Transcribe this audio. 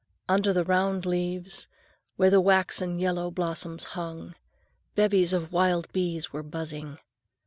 Under the round leaves, where the waxen yellow blossoms hung, bevies of wild bees were buzzing.